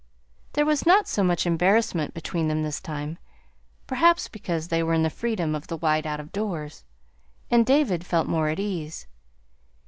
There was not so much embarrassment between them this time, perhaps because they were in the freedom of the wide out of doors, and David felt more at ease.